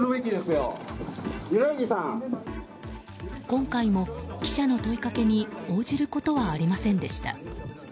今回も記者の問いかけに応じることはありませんでした。